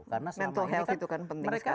karena mental health itu kan penting sekali